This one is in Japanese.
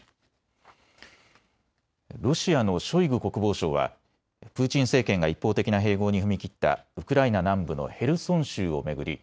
ロシアのショイグ国防相はプーチン政権が一方的な併合に踏み切ったウクライナ南部のヘルソン州を巡り